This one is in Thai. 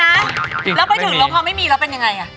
แล้วไปถึงแล้วพอไม่มีแล้วเป็นยังไง